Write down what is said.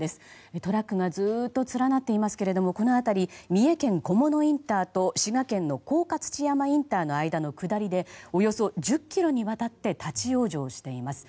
トラックがずっと連なっていますがこの辺り三重県菰野インターと滋賀県の甲賀土山インターの下りの間でおよそ１０ｋｍにわたって立ち往生しています。